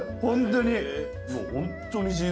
ホントに。